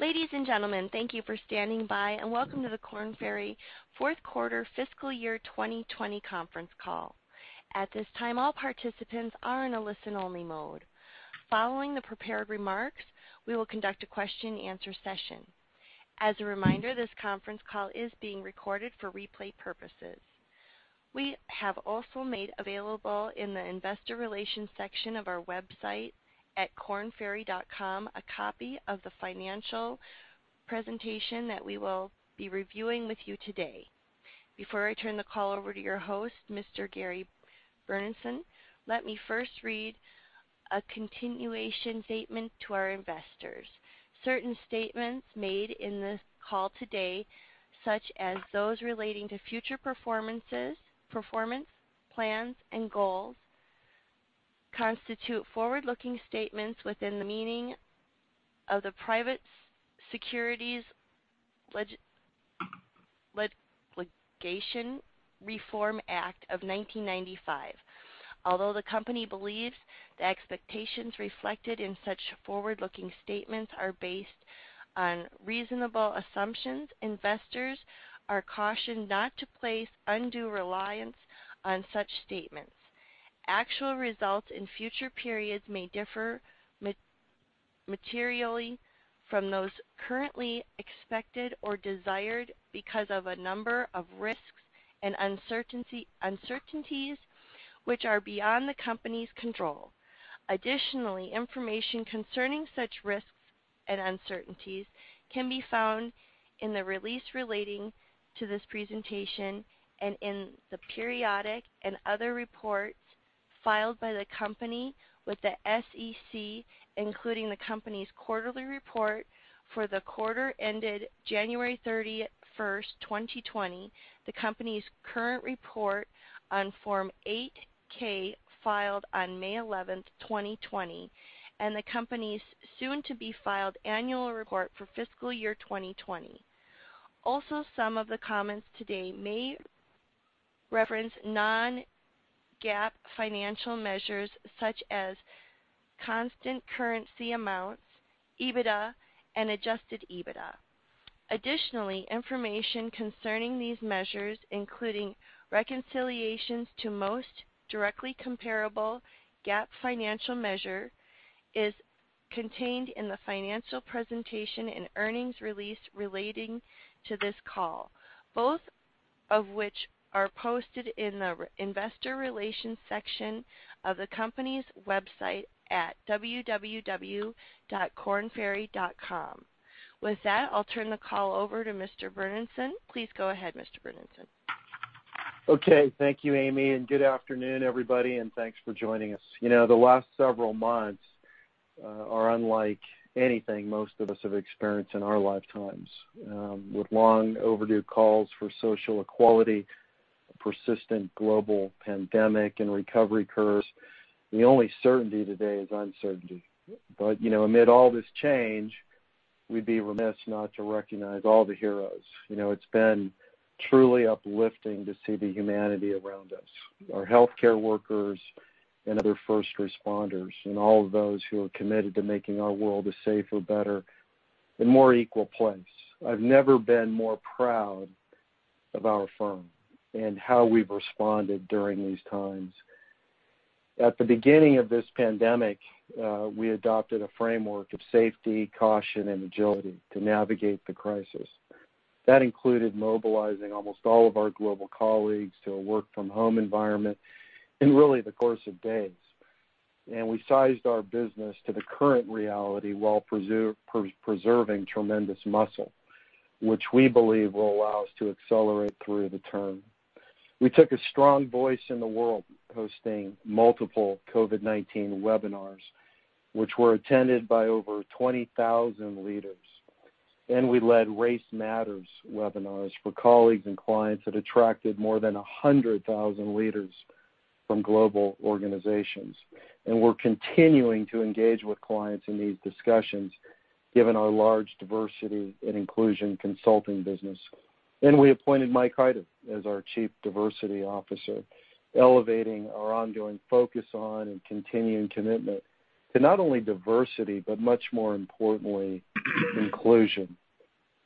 Ladies and gentlemen, thank you for standing by, and welcome to the Korn Ferry fourth quarter fiscal year 2020 conference call. At this time, all participants are in a listen-only mode. Following the prepared remarks, we will conduct a question and answer session. As a reminder, this conference call is being recorded for replay purposes. We have also made available in the investor relations section of our website at kornferry.com, a copy of the financial presentation that we will be reviewing with you today. Before I turn the call over to your host, Mr. Gary Burnison, let me first read a continuation statement to our investors. Certain statements made in this call today, such as those relating to future performance, plans, and goals, constitute forward-looking statements within the meaning of the Private Securities Litigation Reform Act of 1995. Although the company believes the expectations reflected in such forward-looking statements are based on reasonable assumptions, investors are cautioned not to place undue reliance on such statements. Actual results in future periods may differ materially from those currently expected or desired because of a number of risks and uncertainties, which are beyond the company's control. Additionally, information concerning such risks and uncertainties can be found in the release relating to this presentation and in the periodic and other reports filed by the company with the SEC, including the company's quarterly report for the quarter ended January 31st, 2020, the company's current report on Form 8-K filed on May 11th, 2020, and the company's soon-to-be-filed annual report for fiscal year 2020. Also, some of the comments today may reference non-GAAP financial measures such as constant currency amounts, EBITDA, and adjusted EBITDA. Additionally, information concerning these measures, including reconciliations to the most directly comparable GAAP financial measure, is contained in the financial presentation and earnings release relating to this call, both of which are posted in the investor relations section of the company's website at www.kornferry.com. With that, I'll turn the call over to Mr. Burnison. Please go ahead, Mr. Burnison. Okay. Thank you, Amy, and good afternoon, everybody, and thanks for joining us. The last several months are unlike anything most of us have experienced in our lifetimes. With long overdue calls for social equality, a persistent global pandemic, and recovery curves, the only certainty today is uncertainty. Amid all this change, we'd be remiss not to recognize all the heroes. It's been truly uplifting to see the humanity around us. Our healthcare workers and other first responders, and all of those who are committed to making our world a safer, better, and more equal place. I've never been more proud of our firm and how we've responded during these times. At the beginning of this pandemic, we adopted a framework of safety, caution, and agility to navigate the crisis. That included mobilizing almost all of our global colleagues to a work-from-home environment in really the course of days. We sized our business to the current reality while preserving tremendous muscle, which we believe will allow us to accelerate through the term. We took a strong voice in the world, hosting multiple COVID-19 webinars, which were attended by over 20,000 leaders. We led Race Matters webinars for colleagues and clients that attracted more than 100,000 leaders from global organizations. We're continuing to engage with clients in these discussions given our large diversity and inclusion consulting business. We appointed Michael Hyter as our Chief Diversity Officer, elevating our ongoing focus on and continuing commitment to not only diversity, but much more importantly, inclusion.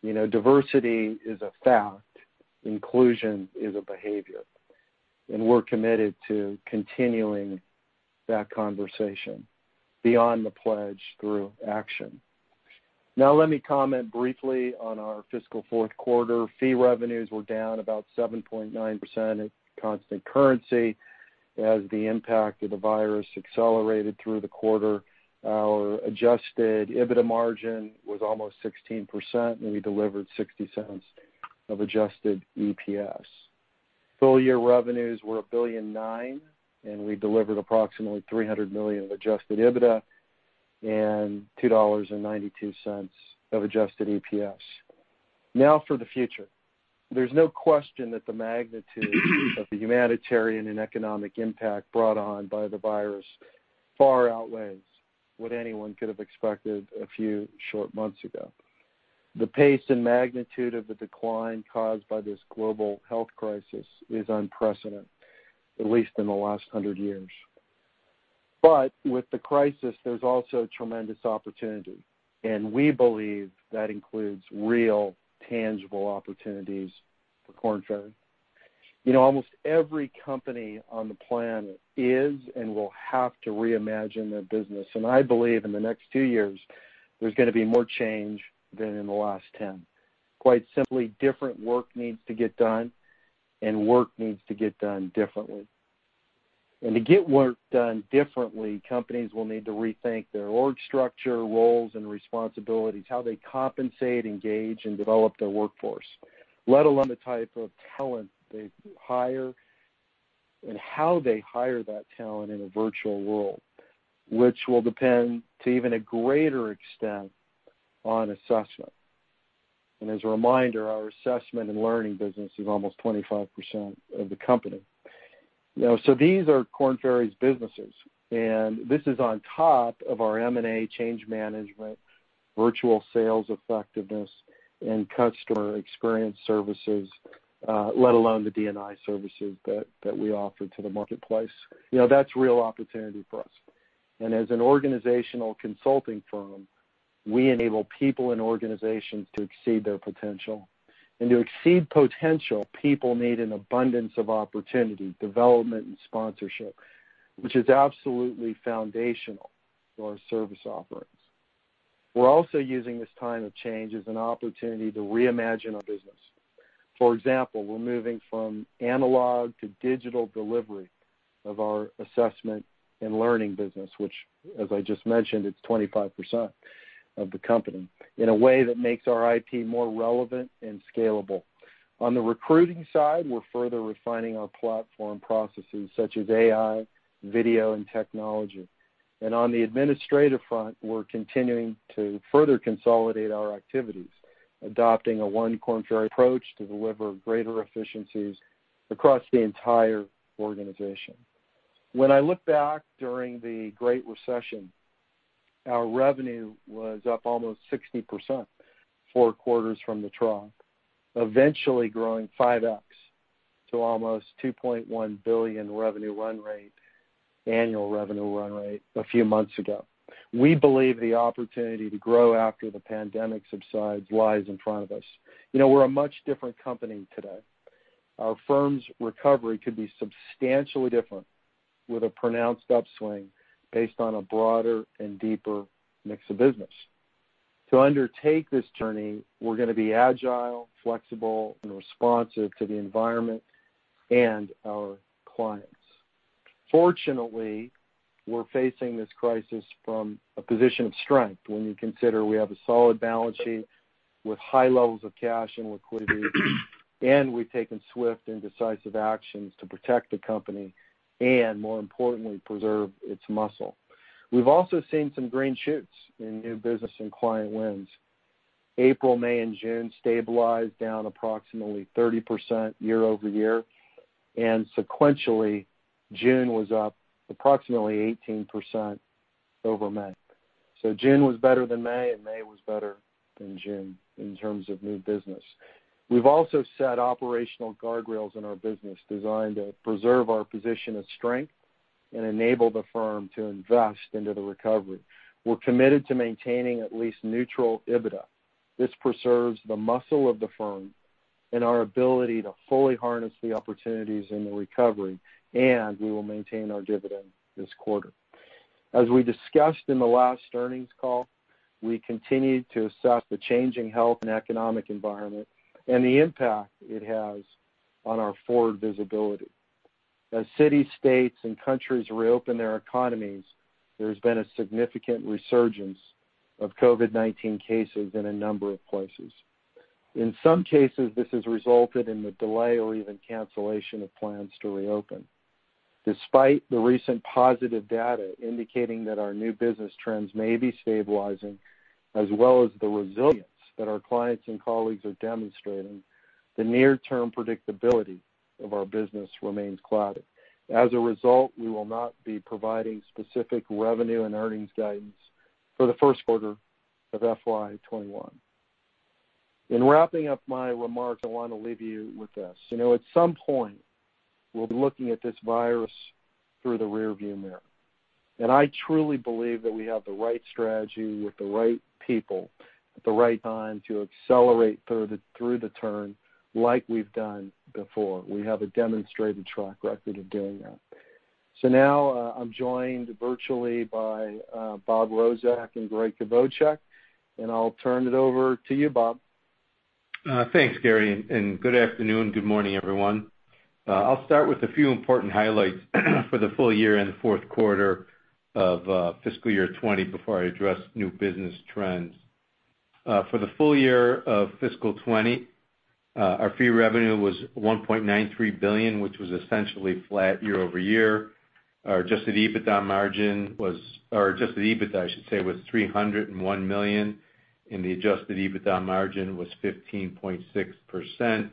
Diversity is a fact. Inclusion is a behavior. We're committed to continuing that conversation beyond the pledge through action. Let me comment briefly on our fiscal fourth quarter. Fee revenues were down about 7.9% at constant currency as the impact of the virus accelerated through the quarter. Our adjusted EBITDA margin was almost 16%, and we delivered $0.60 of adjusted EPS. Full-year revenues were $1.9 billion, and we delivered approximately $300 million of adjusted EBITDA and $2.92 of adjusted EPS. Now for the future. There's no question that the magnitude of the humanitarian and economic impact brought on by the virus far outweighs what anyone could have expected a few short months ago. The pace and magnitude of the decline caused by this global health crisis is unprecedented, at least in the last 100 years. With the crisis, there's also tremendous opportunity, and we believe that includes real, tangible opportunities for Korn Ferry. Almost every company on the planet is and will have to reimagine their business. I believe in the next two years, there's going to be more change than in the last 10. Quite simply, different work needs to get done, and work needs to get done differently. To get work done differently, companies will need to rethink their org structure, roles and responsibilities, how they compensate, engage, and develop their workforce. Let alone the type of talent they hire and how they hire that talent in a virtual world. Which will depend to even a greater extent on assessment. As a reminder, our assessment and learning business is almost 25% of the company. These are Korn Ferry's businesses, and this is on top of our M&A change management, virtual sales effectiveness, and customer experience services, let alone the D&I services that we offer to the marketplace. That's a real opportunity for us. As an organizational consulting firm, we enable people and organizations to exceed their potential. To exceed potential, people need an abundance of opportunity, development, and sponsorship, which is absolutely foundational to our service offerings. We're also using this time of change as an opportunity to reimagine our business. For example, we're moving from analog to digital delivery of our assessment and learning business, which, as I just mentioned, it's 25% of the company, in a way that makes our IP more relevant and scalable. On the recruiting side, we're further refining our platform processes such as AI, video, and technology. On the administrative front, we're continuing to further consolidate our activities, adopting a one Korn Ferry approach to deliver greater efficiencies across the entire organization. When I look back during the Great Recession, our revenue was up almost 60% four quarters from the trough, eventually growing 5X to almost $2.1 billion revenue run rate, annual revenue run rate a few months ago. We believe the opportunity to grow after the pandemic subsides lies in front of us. We're a much different company today. Our firm's recovery could be substantially different with a pronounced upswing based on a broader and deeper mix of business. To undertake this journey, we're going to be agile, flexible, and responsive to the environment and our clients. Fortunately, we're facing this crisis from a position of strength when you consider we have a solid balance sheet with high levels of cash and liquidity, and we've taken swift and decisive actions to protect the company and, more importantly, preserve its muscle. We've also seen some green shoots in new business and client wins. April, May, and June stabilized down approximately 30% year-over-year, and sequentially, June was up approximately 18% over May. June was better than May, and May was better than June in terms of new business. We've also set operational guardrails in our business designed to preserve our position of strength and enable the firm to invest into the recovery. We're committed to maintaining at least neutral EBITDA. This preserves the muscle of the firm and our ability to fully harness the opportunities in the recovery, and we will maintain our dividend this quarter. As we discussed in the last earnings call, we continue to assess the changing health and economic environment and the impact it has on our forward visibility. As cities, states, and countries reopen their economies, there has been a significant resurgence of COVID-19 cases in a number of places. In some cases, this has resulted in the delay or even cancellation of plans to reopen. Despite the recent positive data indicating that our new business trends may be stabilizing, as well as the resilience that our clients and colleagues are demonstrating, the near-term predictability of our business remains clouded. As a result, we will not be providing specific revenue and earnings guidance for the first quarter of FY '21. In wrapping up my remarks, I want to leave you with this. I truly believe that we have the right strategy with the right people at the right time to accelerate through the turn like we've done before. We have a demonstrated track record of doing that. Now, I'm joined virtually by Robert Rozek and Gregg Kvochak. I'll turn it over to you, Bob. Thanks, Gary. Good afternoon, good morning, everyone. I'll start with a few important highlights for the full year and the fourth quarter of fiscal year 2020 before I address new business trends. For the full year of fiscal 2020, our fee revenue was $1.93 billion, which was essentially flat year-over-year. Our adjusted EBITDA, I should say, was $301 million, and the adjusted EBITDA margin was 15.6%.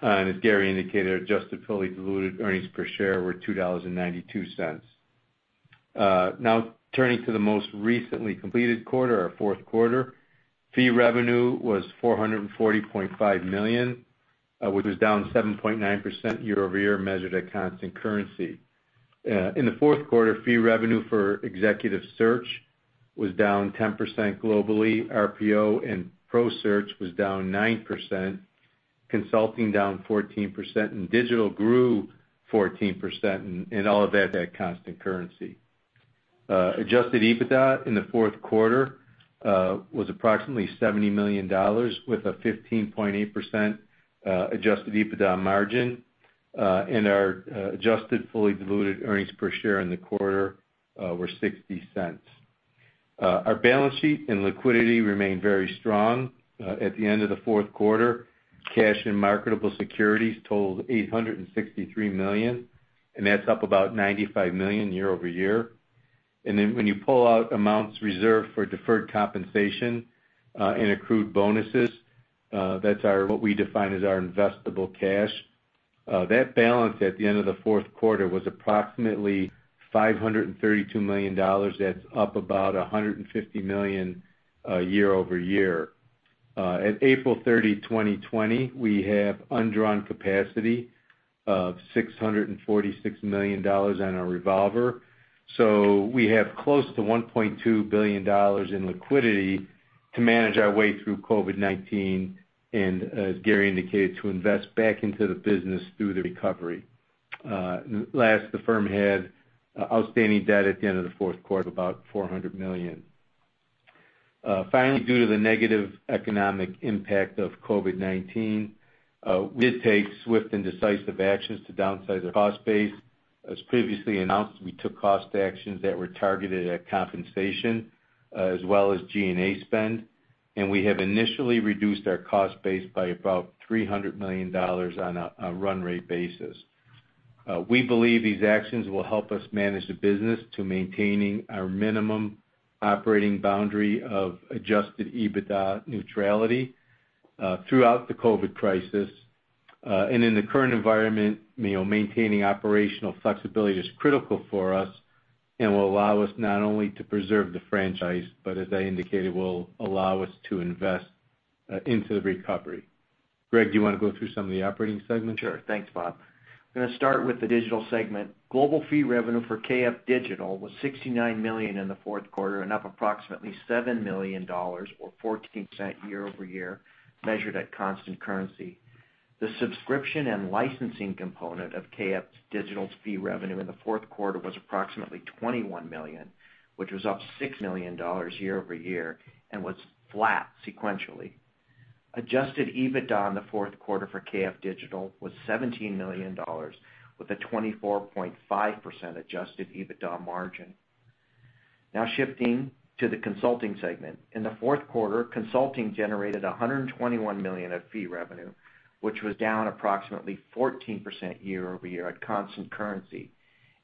As Gary indicated, adjusted fully diluted earnings per share were $2.92. Now turning to the most recently completed quarter, our fourth quarter. Fee revenue was $440.5 million, which was down 7.9% year-over-year, measured at constant currency. In the fourth quarter, fee revenue for Executive Search was down 10% globally. RPO and Professional Search was down 9%, Consulting down 14%, and Digital grew 14%, and all of that at constant currency. Adjusted EBITDA in the fourth quarter was approximately $70 million, with a 15.8% adjusted EBITDA margin, and our adjusted fully diluted earnings per share in the quarter were $0.60. Our balance sheet and liquidity remain very strong. At the end of the fourth quarter, cash and marketable securities totaled $863 million, and that's up about $95 million year-over-year. When you pull out amounts reserved for deferred compensation and accrued bonuses, that's what we define as our investable cash. That balance at the end of the fourth quarter was approximately $532 million. That's up about $150 million year-over-year. At April 30, 2020, we have undrawn capacity of $646 million on our revolver. We have close to $1.2 billion in liquidity to manage our way through COVID-19 and, as Gary indicated, to invest back into the business through the recovery. Last, the firm had outstanding debt at the end of the fourth quarter of about $400 million. Finally, due to the negative economic impact of COVID-19, we did take swift and decisive actions to downsize our cost base. As previously announced, we took cost actions that were targeted at compensation as well as G&A spend, and we have initially reduced our cost base by about $300 million on a run rate basis. We believe these actions will help us manage the business to maintaining our minimum operating boundary of adjusted EBITDA neutrality throughout the COVID crisis. In the current environment, maintaining operational flexibility is critical for us and will allow us not only to preserve the franchise, but as I indicated, will allow us to invest into the recovery. Gregg, do you want to go through some of the operating segments? Sure. Thanks, Bob. I'm going to start with the digital segment. Global fee revenue for KF Digital was $69 million in the fourth quarter and up approximately $7 million, or 14%, year-over-year, measured at constant currency. The subscription and licensing component of KF Digital's fee revenue in the fourth quarter was approximately $21 million, which was up $6 million year-over-year and was flat sequentially. Adjusted EBITDA in the fourth quarter for KF Digital was $17 million, with a 24.5% adjusted EBITDA margin. Now shifting to the consulting segment. In the fourth quarter, consulting generated $121 million of fee revenue, which was down approximately 14% year-over-year at constant currency.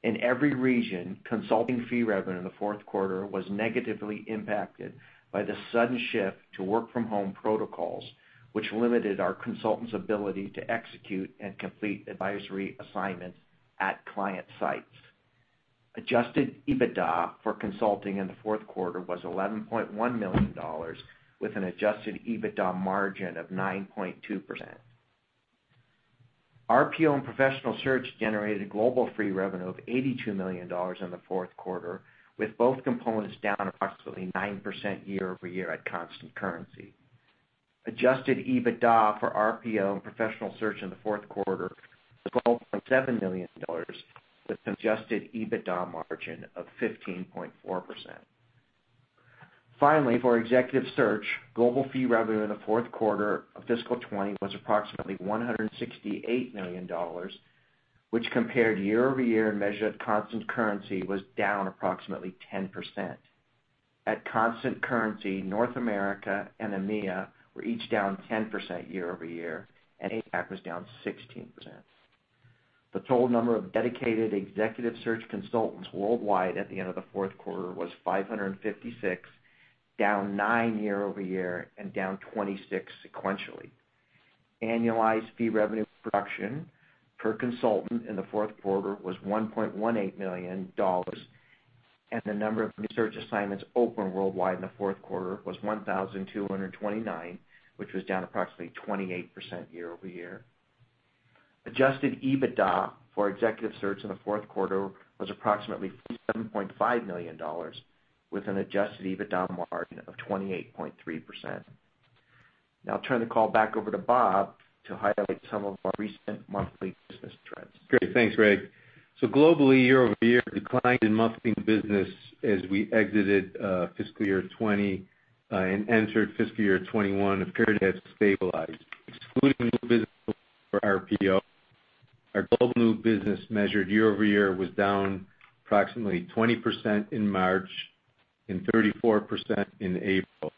In every region, consulting fee revenue in the fourth quarter was negatively impacted by the sudden shift to work-from-home protocols, which limited our consultants' ability to execute and complete advisory assignments at client sites. Adjusted EBITDA for consulting in the fourth quarter was $11.1 million, with an adjusted EBITDA margin of 9.2%. RPO and Professional Search generated a global fee revenue of $82 million in the fourth quarter, with both components down approximately 9% year-over-year at constant currency. Adjusted EBITDA for RPO and Professional Search in the fourth quarter was $12.7 million, with adjusted EBITDA margin of 15.4%. For Executive Search, global fee revenue in the fourth quarter of FY 2020 was approximately $168 million, which compared year-over-year and measured at constant currency was down approximately 10%. At constant currency, North America and EMEA were each down 10% year-over-year, and APAC was down 16%. The total number of dedicated Executive Search consultants worldwide at the end of the fourth quarter was 556, down nine year-over-year and down 26 sequentially. Annualized fee revenue production per consultant in the fourth quarter was $1.18 million, and the number of new search assignments open worldwide in the fourth quarter was 1,229, which was down approximately 28% year-over-year. Adjusted EBITDA for executive search in the fourth quarter was approximately $47.5 million, with an adjusted EBITDA margin of 28.3%. I'll turn the call back over to Bob to highlight some of our recent monthly business trends. Great. Thanks, Gregg. Globally, year-over-year decline in monthly business as we exited fiscal year 2020 and entered fiscal year 2021 appeared to have stabilized. Excluding new business for RPO, our global new business measured year-over-year was down approximately 20% in March and 34% in April.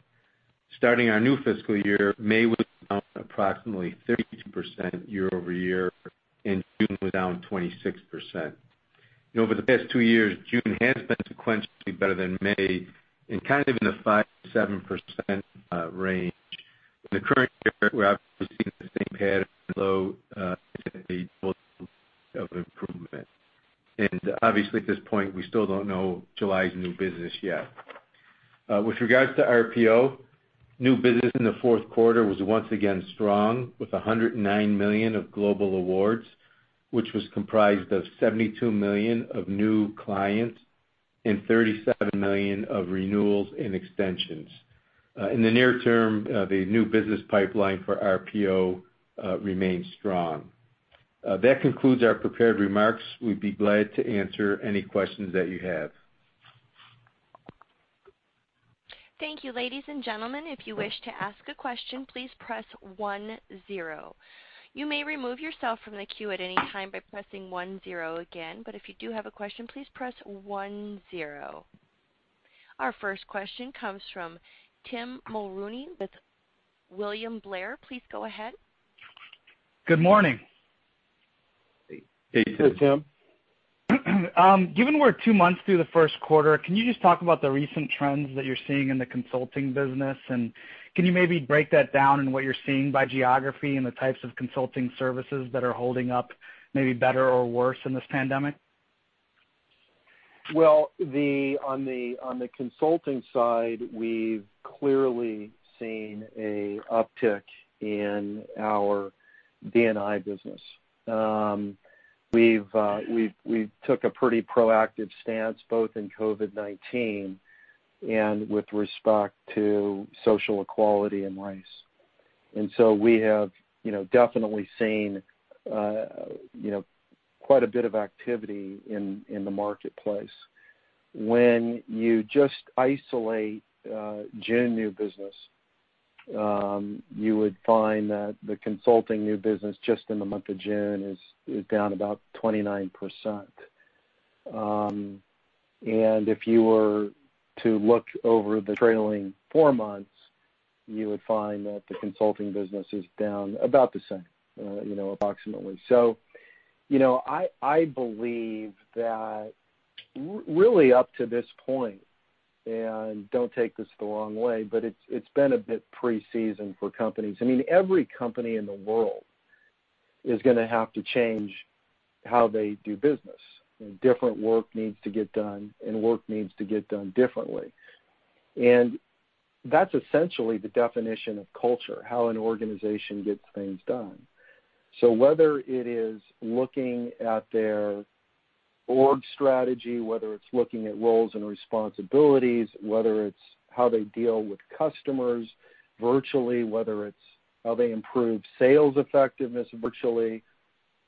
Starting our new fiscal year, May was down approximately 32% year-over-year, June was down 26%. Over the past two years, June has been sequentially better than May in kind of in the 5%-7% range. In the current year, we're obviously seeing the same pattern, level of improvement. Obviously at this point, we still don't know July's new business yet. With regards to RPO, new business in the fourth quarter was once again strong, with $109 million of global awards, which was comprised of $72 million of new clients and $37 million of renewals and extensions. In the near term, the new business pipeline for RPO remains strong. That concludes our prepared remarks. We'd be glad to answer any questions that you have. Thank you. Ladies and gentlemen, if you wish to ask a question, please press 10. You may remove yourself from the queue at any time by pressing 10 again. If you do have a question, please press 10. Our first question comes from Tim Mulrooney with William Blair. Please go ahead. Good morning. Hey, Tim. Given we're two months through the first quarter, can you just talk about the recent trends that you're seeing in the consulting business, and can you maybe break that down in what you're seeing by geography and the types of consulting services that are holding up maybe better or worse in this pandemic? Well, on the consulting side, we've clearly seen a uptick in our D&I business. We took a pretty proactive stance, both in COVID-19 and with respect to social equality and race. We have definitely seen quite a bit of activity in the marketplace. When you just isolate June new business, you would find that the consulting new business just in the month of June is down about 29%. If you were to look over the trailing four months, you would find that the consulting business is down about the same, approximately. I believe that really up to this point, and don't take this the wrong way, but it's been a bit pre-seasoned for companies. I mean, every company in the world is going to have to change how they do business, and different work needs to get done, and work needs to get done differently. That's essentially the definition of culture, how an organization gets things done. Whether it is looking at their org strategy, whether it's looking at roles and responsibilities, whether it's how they deal with customers virtually, whether it's how they improve sales effectiveness virtually,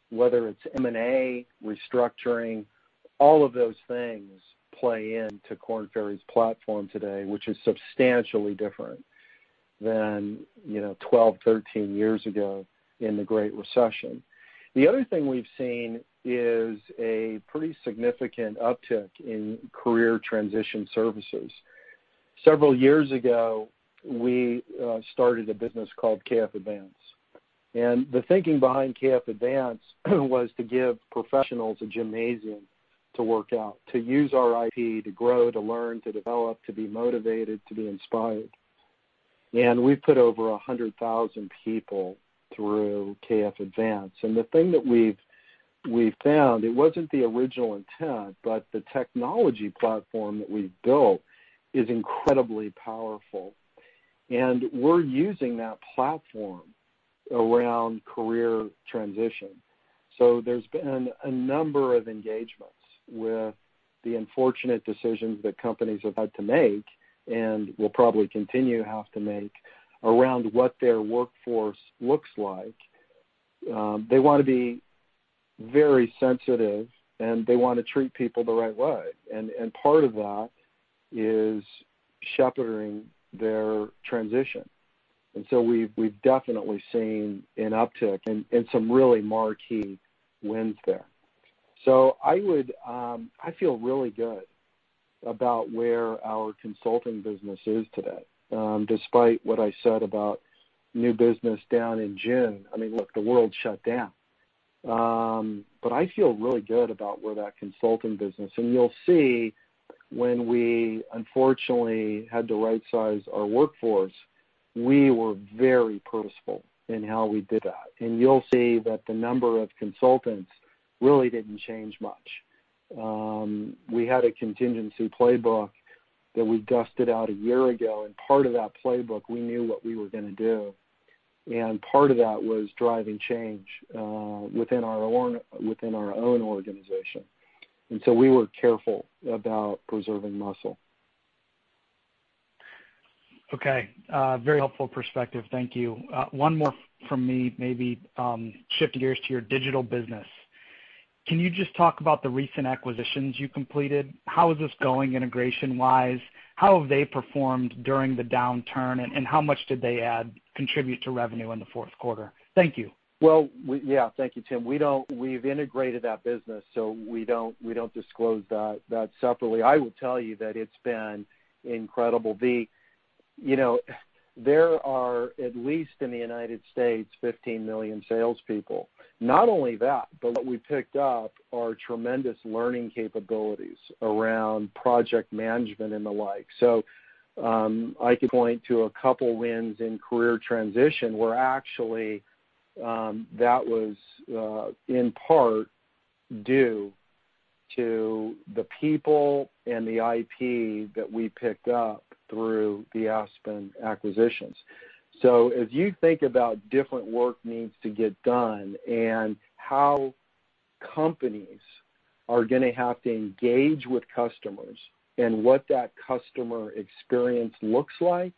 whether it's M&A, restructuring, all of those things play into Korn Ferry's platform today, which is substantially different than 12, 13 years ago in the Great Recession. The other thing we've seen is a pretty significant uptick in career transition services. Several years ago, we started a business called KF Advance. The thinking behind KF Advance was to give professionals a gymnasium to work out, to use our IP to grow, to learn, to develop, to be motivated, to be inspired. We put over 100,000 people through KF Advance. The thing that we've found, it wasn't the original intent, but the technology platform that we've built is incredibly powerful. We're using that platform around career transition. There's been a number of engagements with the unfortunate decisions that companies have had to make and will probably continue have to make around what their workforce looks like. They want to be very sensitive, and they want to treat people the right way. Part of that is shepherding their transition. We've definitely seen an uptick and some really marquee wins there. I feel really good about where our consulting business is today. Despite what I said about new business down in June, I mean, look, the world shut down. I feel really good about where that consulting business. You'll see when we unfortunately had to rightsize our workforce, we were very purposeful in how we did that. You'll see that the number of consultants really didn't change much. We had a contingency playbook that we dusted out a year ago. Part of that playbook, we knew what we were going to do. Part of that was driving change within our own organization. We were careful about preserving muscle. Okay. Very helpful perspective. Thank you. One more from me, maybe shift gears to your digital business. Can you just talk about the recent acquisitions you completed? How is this going integration-wise? How have they performed during the downturn, and how much did they contribute to revenue in the fourth quarter? Thank you. Well, yeah. Thank you, Tim. We've integrated that business, we don't disclose that separately. I will tell you that it's been incredible. There are, at least in the U.S., 15 million salespeople. Not only that, what we picked up are tremendous learning capabilities around project management and the like. I could point to a couple wins in career transition where actually, that was in part due to the people and the IP that we picked up through the Aspen acquisitions. If you think about different work needs to get done and how companies are going to have to engage with customers, and what that customer experience looks like,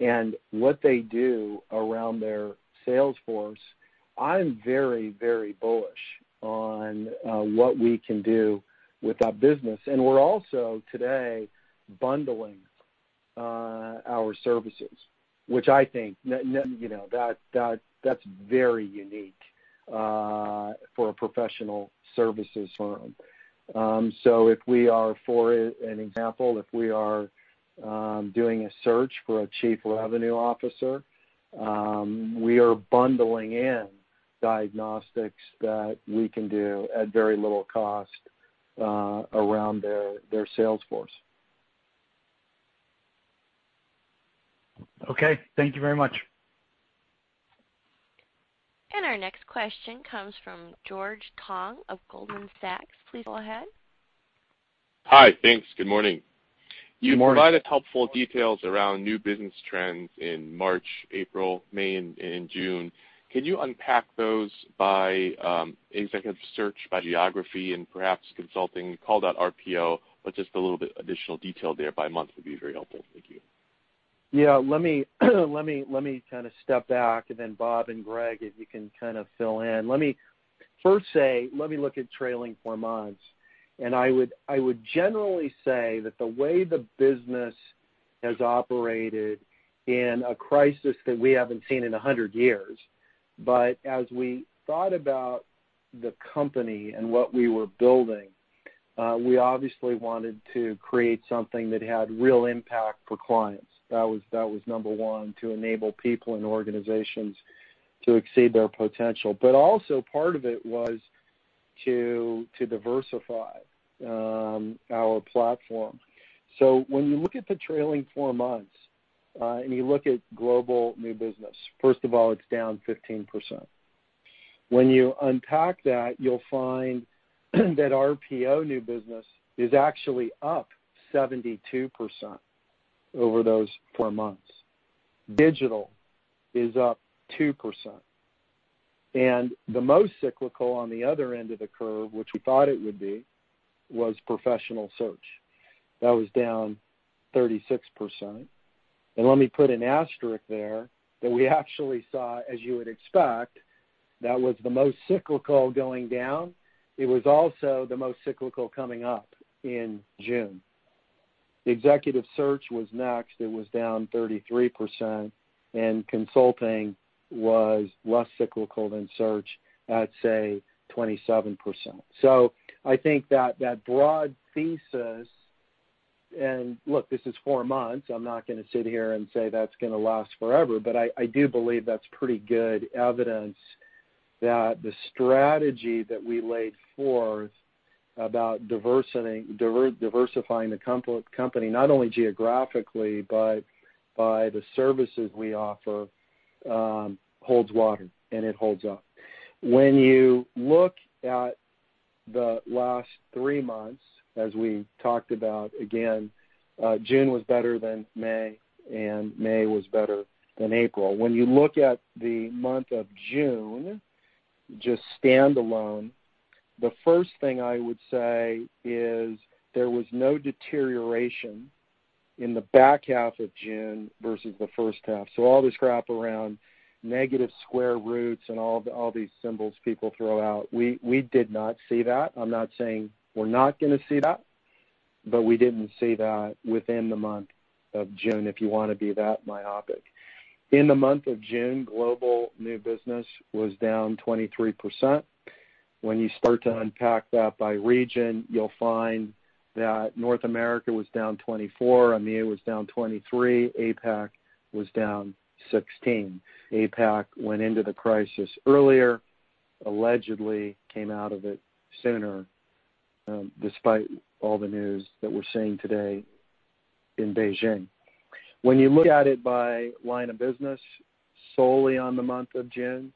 and what they do around their sales force, I'm very bullish on what we can do with that business. We're also, today, bundling our services, which I think that's very unique for a professional services firm. For an example, if we are doing a search for a chief revenue officer, we are bundling in diagnostics that we can do at very little cost around their sales force. Okay. Thank you very much. Our next question comes from George Tong of Goldman Sachs. Please go ahead. Hi. Thanks. Good morning. Good morning. You provided helpful details around new business trends in March, April, May, and June. Can you unpack those by executive search, by geography and perhaps consulting, call it out RPO, but just a little bit additional detail there by month would be very helpful. Thank you. Let me kind of step back. Bob and Gregg, if you can kind of fill in. Let me first say, let me look at trailing four months. I would generally say that the way the business has operated in a crisis that we haven't seen in 100 years, as we thought about the company and what we were building, we obviously wanted to create something that had real impact for clients. That was number one, to enable people and organizations to exceed their potential. Also part of it was to diversify our platform. When you look at the trailing four months, and you look at global new business, first of all, it's down 15%. When you unpack that, you'll find that RPO new business is actually up 72% over those four months. Digital is up 2%. The most cyclical on the other end of the curve, which we thought it would be, was Professional Search. That was down 36%. Let me put an asterisk there, that we actually saw, as you would expect, that was the most cyclical going down. It was also the most cyclical coming up in June. Executive search was next, it was down 33%. Consulting was less cyclical than search at, say, 27%. I think that broad thesis, and look, this is four months, I'm not going to sit here and say that's going to last forever, but I do believe that's pretty good evidence that the strategy that we laid forth about diversifying the company, not only geographically, but by the services we offer, holds water and it holds up. When you look at the last three months, as we talked about, again, June was better than May, and May was better than April. When you look at the month of June, just standalone, the first thing I would say is there was no deterioration in the back half of June versus the first half. All this crap around negative square roots and all these symbols people throw out, we did not see that. I'm not saying we're not going to see that, we didn't see that within the month of June, if you want to be that myopic. In the month of June, global new business was down 23%. When you start to unpack that by region, you'll find that North America was down 24%, EMEA was down 23%, APAC was down 16%. APAC went into the crisis earlier, allegedly came out of it sooner, despite all the news that we're seeing today in Beijing. When you look at it by line of business, solely on the month of June,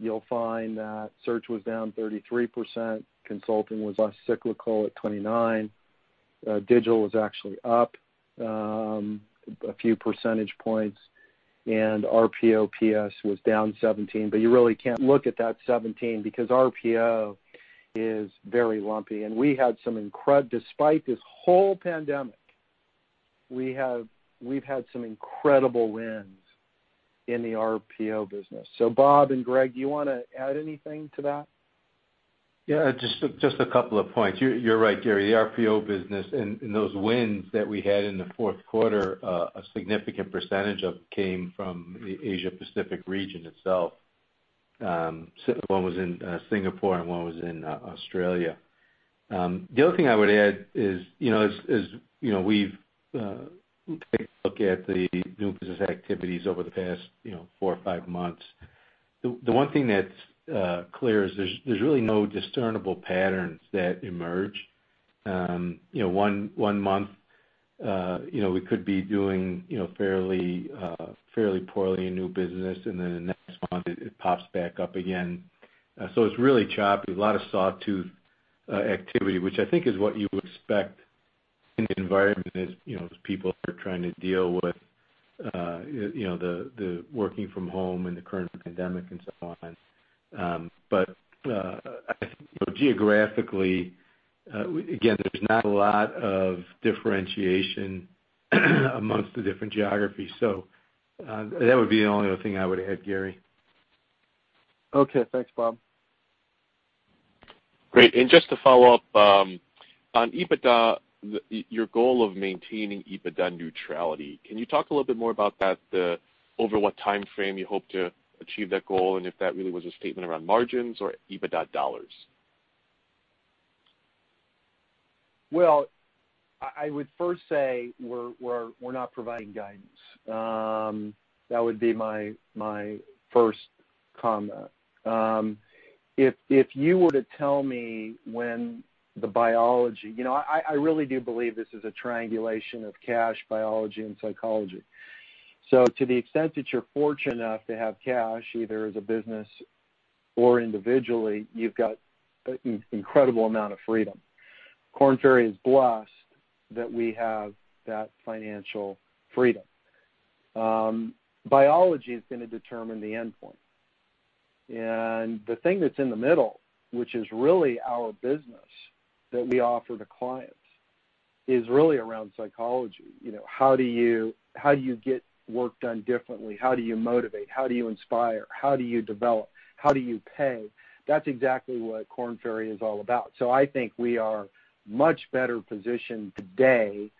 you'll find that search was down 33%, consulting was less cyclical at 29%. Digital was actually up a few percentage points, RPO PS was down 17%. You really can't look at that 17% because RPO is very lumpy, and despite this whole pandemic, we've had some incredible wins in the RPO business. Bob and Gregg, do you want to add anything to that? Yeah, just a couple of points. You're right, Gary. The RPO business and those wins that we had in the fourth quarter, a significant percentage of came from the Asia Pacific region itself. One was in Singapore and one was in Australia. The other thing I would add is, as we've taken a look at the new business activities over the past four or five months, the one thing that's clear is there's really no discernible patterns that emerge. One month, we could be doing fairly poorly in new business, and then the next month it pops back up again. It's really choppy, a lot of sawtooth activity, which I think is what you would expect in the environment as people are trying to deal with the working from home and the current pandemic and so on. I think geographically, again, there's not a lot of differentiation amongst the different geographies. That would be the only other thing I would add, Gary. Okay. Thanks, Bob. Great. Just to follow up on EBITDA, your goal of maintaining EBITDA neutrality, can you talk a little bit more about that, over what time frame you hope to achieve that goal, and if that really was a statement around margins or EBITDA dollars? Well, I would first say we're not providing guidance. That would be my first comment. If you were to tell me when I really do believe this is a triangulation of cash, biology, and psychology. To the extent that you're fortunate enough to have cash, either as a business or individually, you've got an incredible amount of freedom. Korn Ferry is blessed that we have that financial freedom. Biology is going to determine the endpoint. The thing that's in the middle, which is really our business that we offer to clients, is really around psychology. How do you get work done differently? How do you motivate? How do you inspire? How do you develop? How do you pay? That's exactly what Korn Ferry is all about. I think we are much better positioned today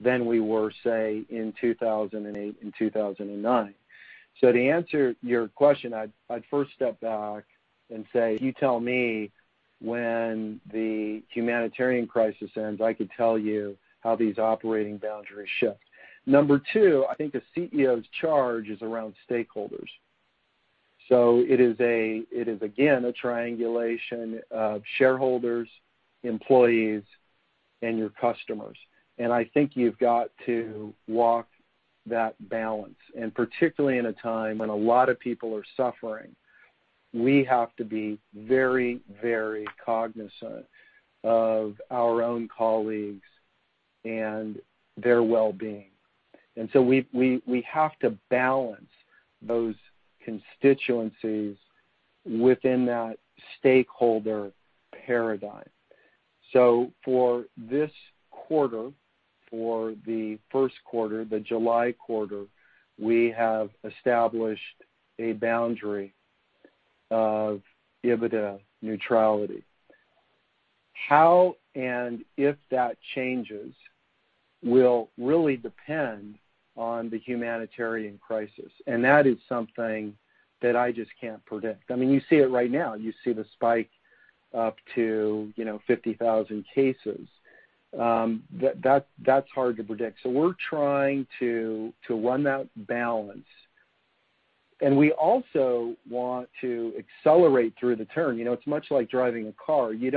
than we were, say, in 2008 and 2009. To answer your question, I'd first step back and say, you tell me when the humanitarian crisis ends, I could tell you how these operating boundaries shift. Number 2, I think a CEO's charge is around stakeholders. It is, again, a triangulation of shareholders, employees, and your customers. I think you've got to walk that balance, and particularly in a time when a lot of people are suffering. We have to be very cognizant of our own colleagues and their well-being. We have to balance those constituencies within that stakeholder paradigm. For this quarter, for the first quarter, the July quarter, we have established a boundary of EBITDA neutrality. How and if that changes will really depend on the humanitarian crisis. That is something that I just can't predict. I mean, you see it right now. You see the spike up to 50,000 cases. That's hard to predict. We're trying to run that balance, and we also want to accelerate through the turn. It's much like driving a car. You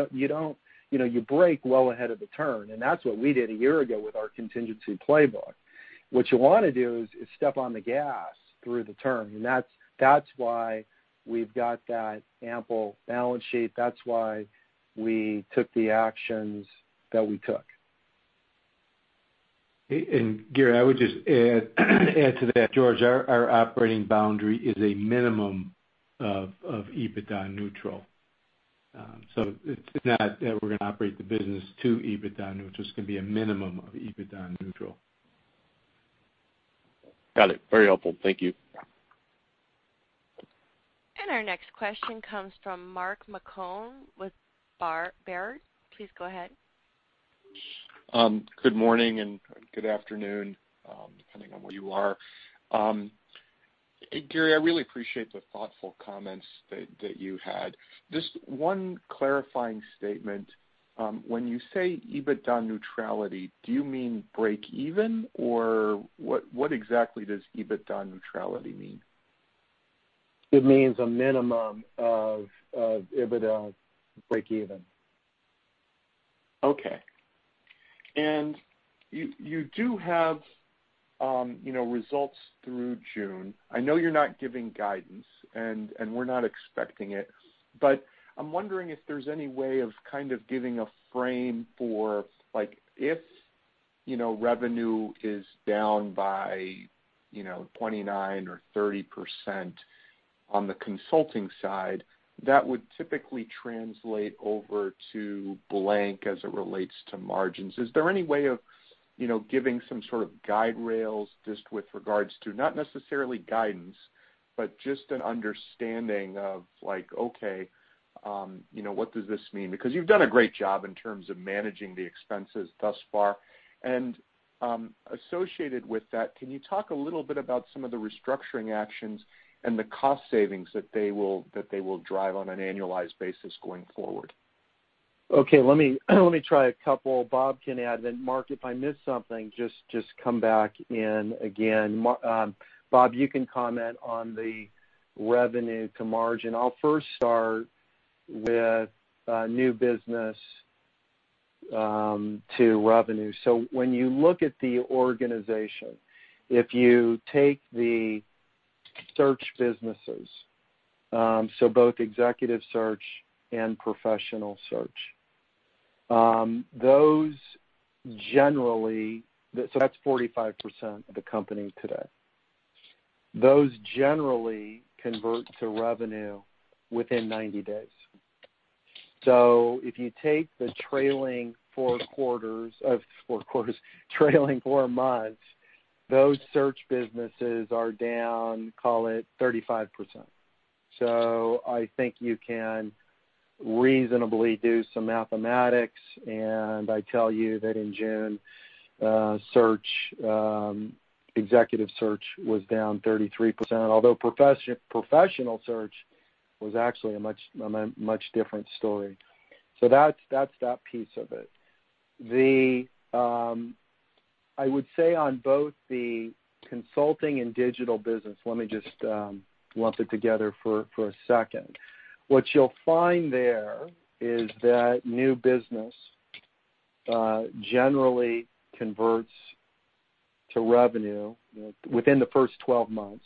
brake well ahead of the turn, and that's what we did a year ago with our contingency playbook. What you want to do is step on the gas through the turn, and that's why we've got that ample balance sheet. That's why we took the actions that we took. Gary, I would just add to that, George, our operating boundary is a minimum of EBITDA neutral. It's not that we're going to operate the business to EBITDA neutral. It's going to be a minimum of EBITDA neutral. Got it. Very helpful. Thank you. Our next question comes from Mark Marcon with Baird. Please go ahead. Good morning and good afternoon, depending on where you are. Gary, I really appreciate the thoughtful comments that you had. One clarifying statement. When you say EBITDA neutrality, do you mean break even, or what exactly does EBITDA neutrality mean? It means a minimum of EBITDA break even. Okay. You do have results through June. I know you're not giving guidance, and we're not expecting it, but I'm wondering if there's any way of kind of giving a frame for, like, if revenue is down by 29% or 30% on the consulting side, that would typically translate over to blank as it relates to margins. Is there any way of giving some sort of guide rails just with regards to, not necessarily guidance, but just an understanding of, like, okay, what does this mean? Because you've done a great job in terms of managing the expenses thus far. Associated with that, can you talk a little bit about some of the restructuring actions and the cost savings that they will drive on an annualized basis going forward? Okay, let me try a couple. Bob can add, then Mark, if I miss something, just come back in again. Bob, you can comment on the revenue to margin. I'll first start with new business to revenue. When you look at the organization, if you take the search businesses, both executive search and Professional Search. That's 45% of the company today. Those generally convert to revenue within 90 days. If you take the trailing four quarters. Trailing four months, those search businesses are down, call it 35%. I think you can reasonably do some mathematics, and I tell you that in June, executive search was down 33%, although Professional Search was actually a much different story. That's that piece of it. I would say on both the consulting and Digital business, let me just lump it together for a second. What you'll find there is that new business generally converts to revenue within the first 12 months,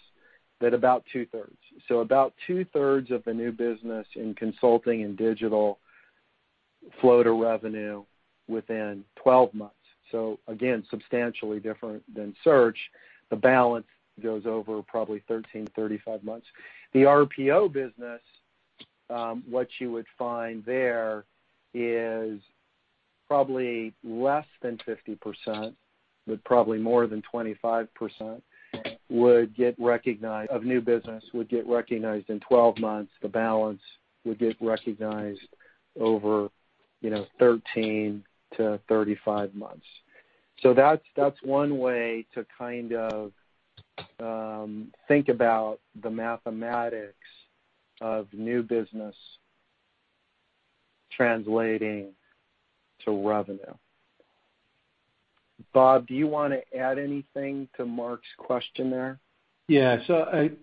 that about two-thirds. About two-thirds of the new business in consulting and Digital flow to revenue within 12 months. Again, substantially different than search. The balance goes over probably 13-35 months. The RPO business, what you would find there is probably less than 50%, but probably more than 25% of new business would get recognized in 12 months. The balance would get recognized over 13-35 months. That's one way to kind of think about the mathematics of new business translating to revenue. Bob, do you want to add anything to Mark's question there? Yeah.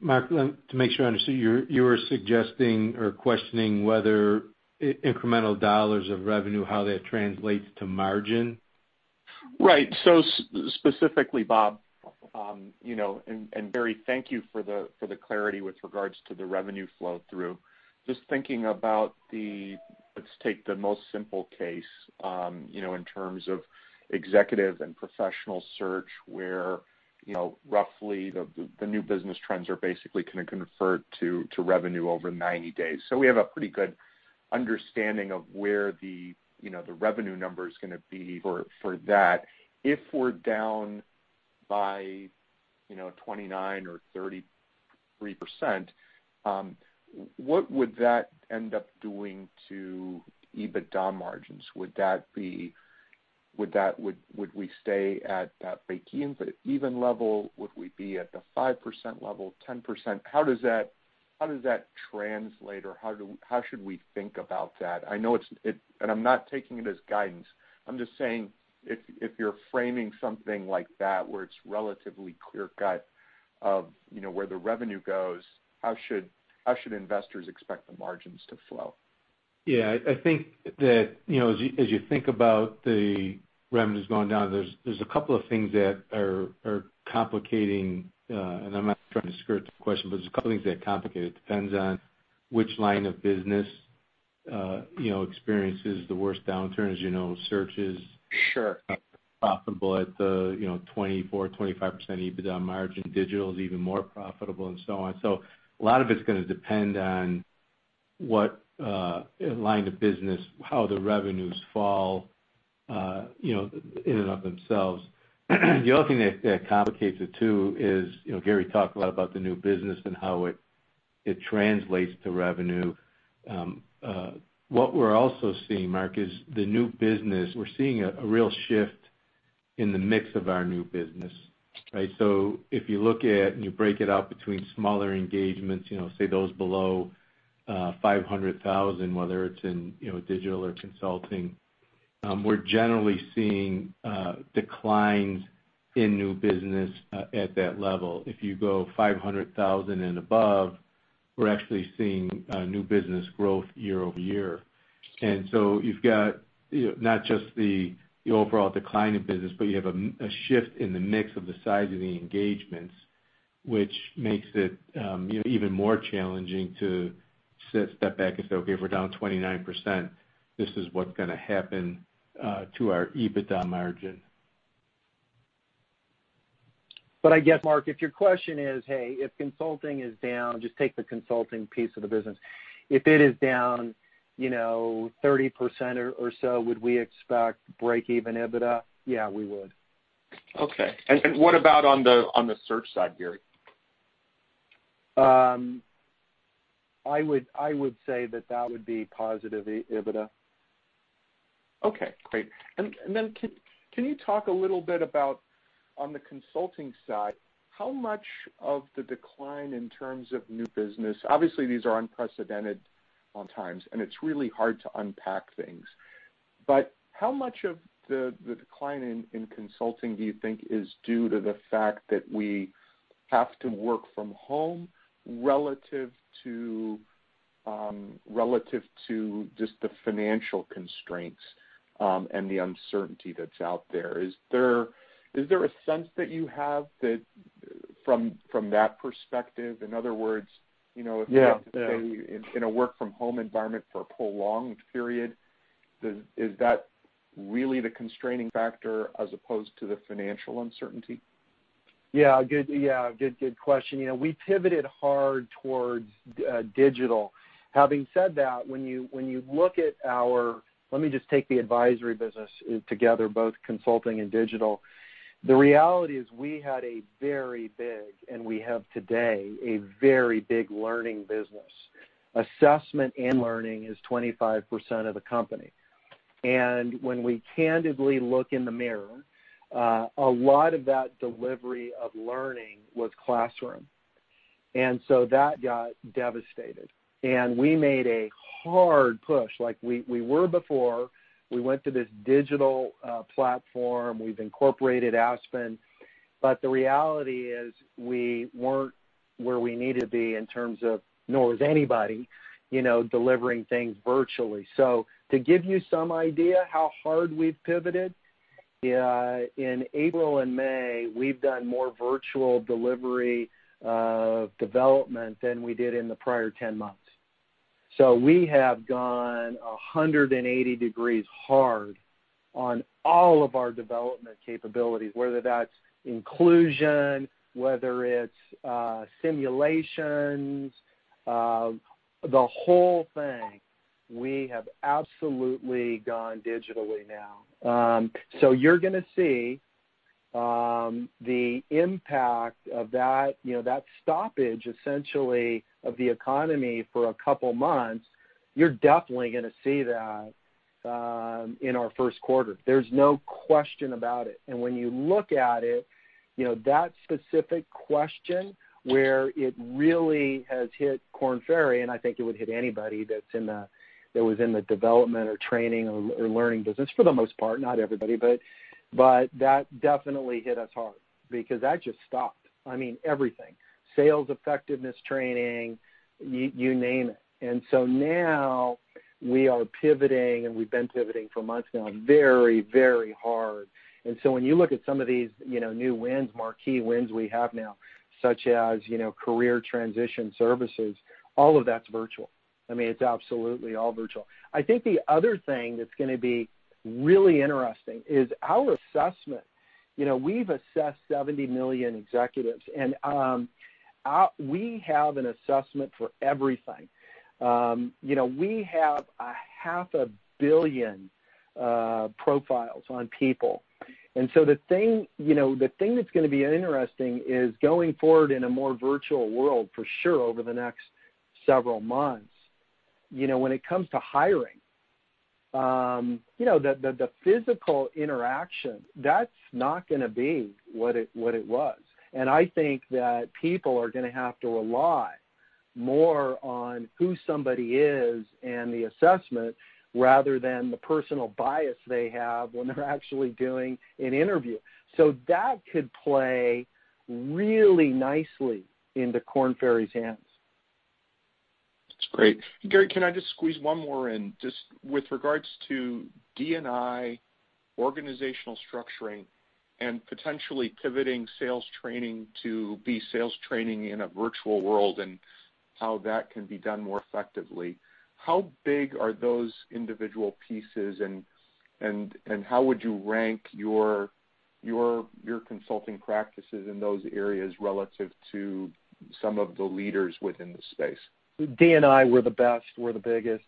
Mark, to make sure I understand, you were suggesting or questioning whether incremental dollars of revenue, how that translates to margin? Right. Specifically, Bob, and Gary, thank you for the clarity with regards to the revenue flow through. Just thinking about the, let's take the most simple case, in terms of executive and professional search, where roughly the new business trends are basically going to convert to revenue over 90 days. We have a pretty good understanding of where the revenue number is going to be for that. If we're down by 29% or 33%, what would that end up doing to EBITDA margins? Would we stay at that breakeven, even level? Would we be at the 5% level, 10%? How does that translate, or how should we think about that? I'm not taking it as guidance. I'm just saying, if you're framing something like that where it's relatively clear cut of where the revenue goes, how should investors expect the margins to flow? Yeah, I think that as you think about the revenues going down, there's a couple of things that are complicating, and I'm not trying to skirt the question, but there's a couple of things that complicate it. It depends on which line of business experiences the worst downturns. Search is. Sure profitable at the 24%, 25% EBITDA margin. Digital is even more profitable, and so on. A lot of it's going to depend on what line of business, how the revenues fall in and of themselves. The other thing that complicates it too is, Gary talked a lot about the new business and how it translates to revenue. What we're also seeing, Mark, is the new business. We're seeing a real shift in the mix of our new business. Right? If you look at and you break it out between smaller engagements, say those below 500,000, whether it's in digital or consulting, we're generally seeing declines in new business at that level. If you go 500,000 and above, we're actually seeing new business growth year-over-year. You've got not just the overall decline in business, but you have a shift in the mix of the size of the engagements, which makes it even more challenging to sit, step back and say, "Okay, if we're down 29%, this is what's going to happen to our EBITDA margin. I guess, Mark, if your question is, hey, if consulting is down, just take the consulting piece of the business. If it is down 30% or so, would we expect break even EBITDA? Yeah, we would. Okay. What about on the search side, Gary? I would say that that would be positive EBITDA. Okay, great. Can you talk a little bit about on the consulting side, how much of the decline in terms of new business? Obviously, these are unprecedented times, and it's really hard to unpack things. How much of the decline in consulting do you think is due to the fact that we have to work from home relative to just the financial constraints and the uncertainty that's out there? Is there a sense that you have from that perspective? Yeah if we have to stay in a work from home environment for a prolonged period, is that really the constraining factor as opposed to the financial uncertainty? Yeah. Good question. We pivoted hard towards digital. Having said that, when you look at our advisory business together, both consulting and Digital. The reality is we had a very big, and we have today, a very big learning business. Assessment and learning is 25% of the company. When we candidly look in the mirror, a lot of that delivery of learning was classroom, and so that got devastated. We made a hard push. We went to this digital platform. We've incorporated Aspen. The reality is we weren't where we needed to be, nor was anybody, delivering things virtually. To give you some idea how hard we've pivoted, in April and May, we've done more virtual delivery of development than we did in the prior 10 months. We have gone 180 degrees hard on all of our development capabilities, whether that's inclusion, whether it's simulations, the whole thing. We have absolutely gone digitally now. You're going to see the impact of that stoppage, essentially, of the economy for a couple of months. You're definitely going to see that in our first quarter. There's no question about it. When you look at it, that specific question where it really has hit Korn Ferry, and I think it would hit anybody that was in the development or training or learning business for the most part, not everybody. That definitely hit us hard because that just stopped. I mean, everything. Sales effectiveness training, you name it. Now we are pivoting, and we've been pivoting for months now, very hard. When you look at some of these new marquee wins we have now, such as career transition services, all of that's virtual. It's absolutely all virtual. I think the other thing that's going to be really interesting is our assessment. We've assessed 70 million executives, and we have an assessment for everything. We have a half a billion profiles on people. The thing that's going to be interesting is going forward in a more virtual world for sure over the next several months, when it comes to hiring, the physical interaction, that's not going to be what it was. I think that people are going to have to rely more on who somebody is and the assessment rather than the personal bias they have when they're actually doing an interview. That could play really nicely into Korn Ferry's hands. That's great. Gary, can I just squeeze one more in? Just with regards to D&I organizational structuring and potentially pivoting sales training to be sales training in a virtual world and how that can be done more effectively, how big are those individual pieces, and how would you rank your consulting practices in those areas relative to some of the leaders within the space? D&I, we're the best. We're the biggest.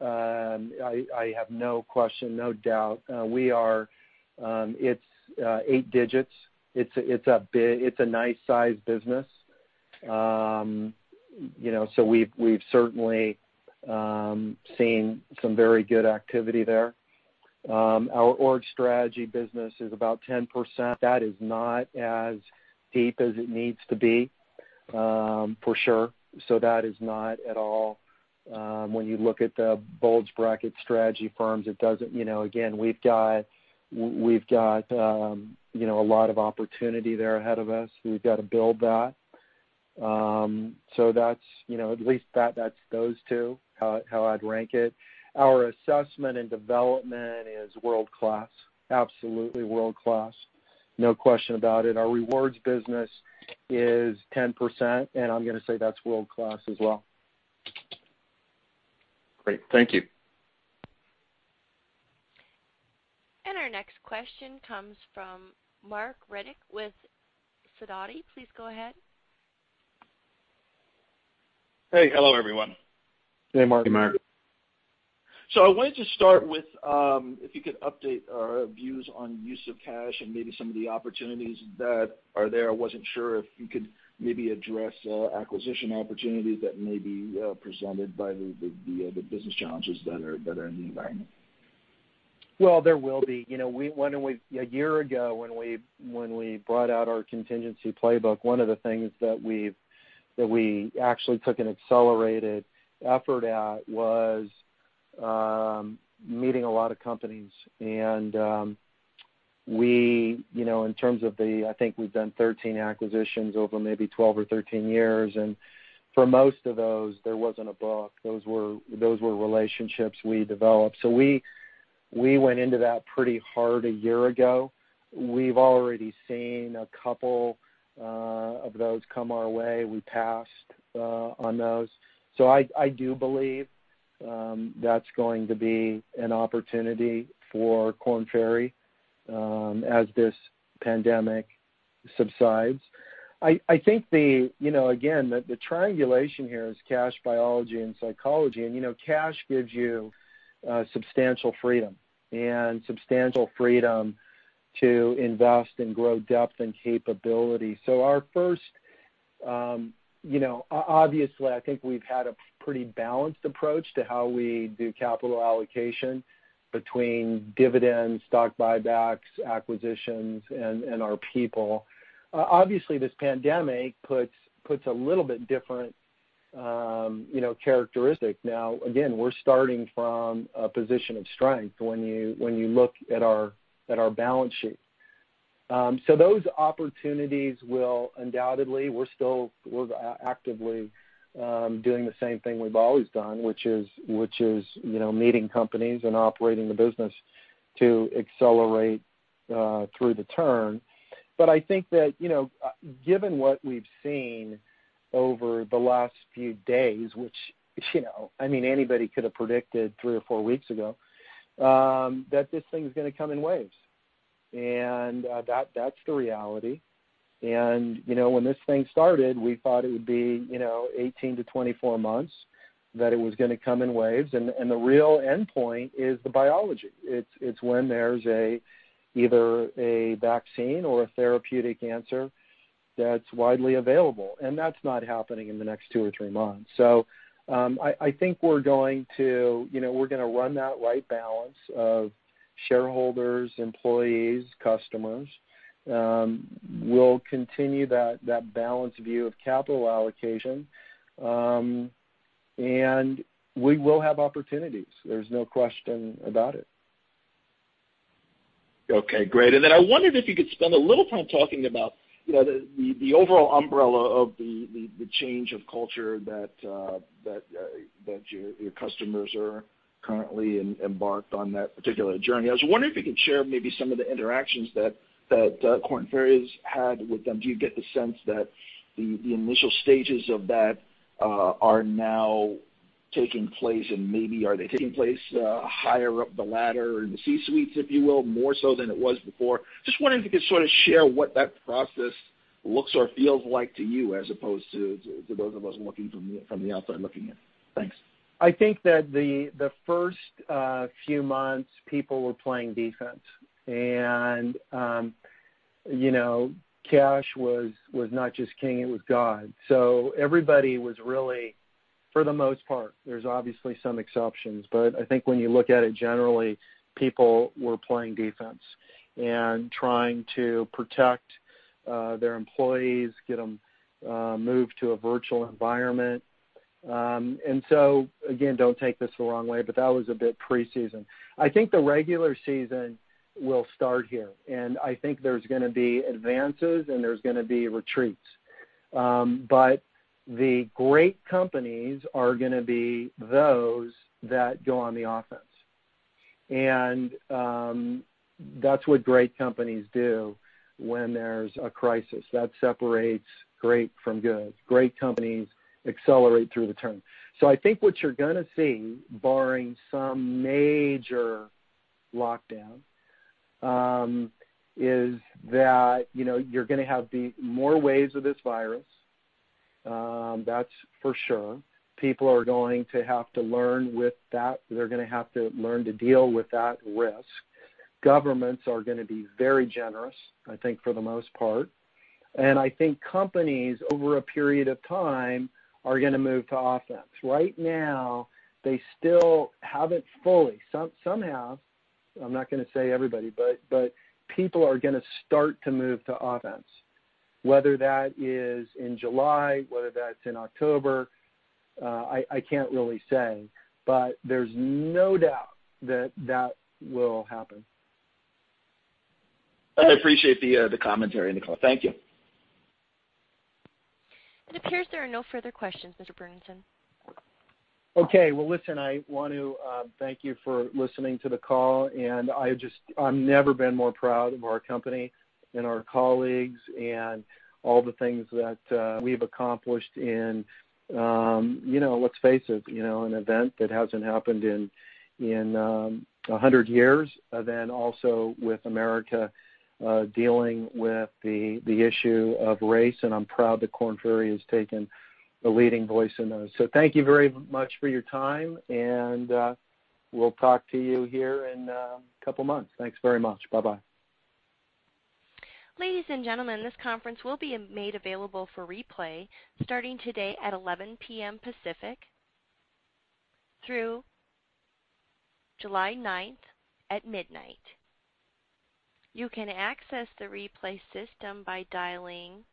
I have no question, no doubt. It's eight digits. It's a nice size business. We've certainly seen some very good activity there. Our Org Strategy business is about 10%. That is not as deep as it needs to be, for sure. That is not at all when you look at the bulge bracket strategy firms. We've got a lot of opportunity there ahead of us. We've got to build that. At least that's those two, how I'd rank it. Our Assessment and Development is world-class. Absolutely world-class. No question about it. Our Rewards business is 10%, and I'm going to say that's world-class as well. Great. Thank you. Our next question comes from Marc Riddick with Sidoti. Please go ahead. Hey. Hello, everyone. Hey, Mark. Hey, Mark. I wanted to start with if you could update our views on use of cash and maybe some of the opportunities that are there. I wasn't sure if you could maybe address acquisition opportunities that may be presented by the business challenges that are in the environment. Well, there will be. A year ago, when we brought out our contingency playbook, one of the things that we actually took an accelerated effort at was meeting a lot of companies. In terms of the, I think we've done 13 acquisitions over maybe 12 or 13 years, and for most of those, there wasn't a book. Those were relationships we developed. We went into that pretty hard a year ago. We've already seen a couple of those come our way. We passed on those. I do believe that's going to be an opportunity for Korn Ferry as this pandemic subsides. I think, again, the triangulation here is cash, biology, and psychology. Cash gives you substantial freedom, and substantial freedom to invest and grow depth and capability. Obviously, I think we've had a pretty balanced approach to how we do capital allocation between dividends, stock buybacks, acquisitions, and our people. Obviously, this pandemic puts a little bit different characteristic. Now, again, we're starting from a position of strength when you look at our balance sheet. Those opportunities will undoubtedly, we're still actively doing the same thing we've always done, which is meeting companies and operating the business to accelerate through the turn. I think that, given what we've seen over the last few days, which anybody could have predicted three or four weeks ago, that this thing's going to come in waves, and that's the reality. When this thing started, we thought it would be 18 to 24 months, that it was going to come in waves, and the real endpoint is the biology. It's when there's either a vaccine or a therapeutic answer that's widely available. That's not happening in the next two or three months. I think we're going to run that right balance of shareholders, employees, customers. We'll continue that balanced view of capital allocation. We will have opportunities. There's no question about it. Okay, great. I wondered if you could spend a little time talking about the overall umbrella of the change of culture that your customers are currently embarked on that particular journey. I was wondering if you could share maybe some of the interactions that Korn Ferry's had with them. Do you get the sense that the initial stages of that are now taking place, and maybe are they taking place higher up the ladder in the C-suites, if you will, more so than it was before? Just wondering if you could sort of share what that process looks or feels like to you, as opposed to those of us looking from the outside looking in. Thanks. I think that the first few months, people were playing defense, and cash was not just king, it was God. Everybody was really, for the most part, there's obviously some exceptions, but I think when you look at it generally, people were playing defense and trying to protect their employees, get them moved to a virtual environment. Again, don't take this the wrong way, but that was a bit preseason. I think the regular season will start here, and I think there's going to be advances, and there's going to be retreats. The great companies are going to be those that go on the offense. That's what great companies do when there's a crisis. That separates great from good. Great companies accelerate through the turn. I think what you're going to see, barring some major lockdown, is that you're going to have more waves of this virus. That's for sure. People are going to have to learn with that. They're going to have to learn to deal with that risk. Governments are going to be very generous, I think, for the most part, and I think companies, over a period of time, are going to move to offense. Right now, they still have it fully. Some have, I'm not going to say everybody, but people are going to start to move to offense. Whether that is in July, whether that's in October, I can't really say, but there's no doubt that that will happen. I appreciate the commentary, Nicole. Thank you. It appears there are no further questions, Mr. Burnison. Okay. Well, listen, I want to thank you for listening to the call. I've never been more proud of our company and our colleagues and all the things that we've accomplished in, let's face it, an event that hasn't happened in 100 years. Also with America dealing with the issue of race, I'm proud that Korn Ferry has taken the leading voice in those. Thank you very much for your time. We'll talk to you here in a couple of months. Thanks very much. Bye-bye. Ladies and gentlemen, this conference will be made available for replay starting today at 11:00 P.M. Pacific through July 9th at midnight. You can access the replay system by dialing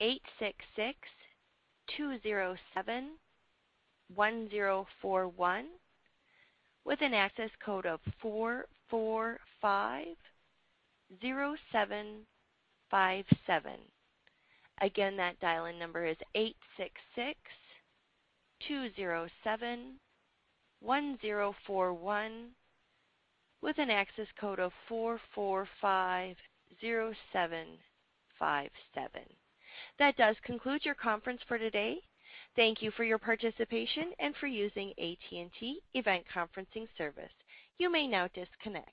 866-207-1041 with an access code of 4450757. Again, that dial-in number is 866-207-1041 with an access code of 4450757. That does conclude your conference for today. Thank you for your participation and for using AT&T Event Conferencing service. You may now disconnect.